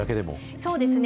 そうですね。